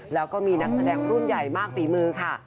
แล้วก็มีนักแสดงรุ่นใหญ่มากฝีมือค่ะ